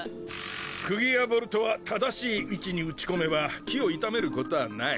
釘やボルトは正しい位置に打ち込めば木を傷めることはない。